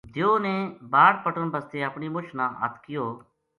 دیو نے باڑ پٹن بسطے اپنی مُچھ نا ہتھ کیو